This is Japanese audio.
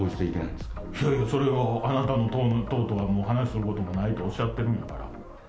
いやいや、それは、あなたの党とはもうお話しすることもないとおっしゃってるんだか